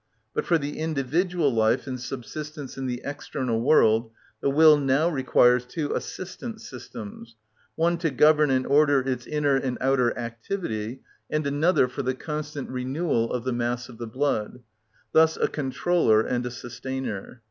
But for the individual life and subsistence in the external world the will now requires two assistant systems: one to govern and order its inner and outer activity, and another for the constant renewal of the mass of the blood; thus a controller and a sustainer.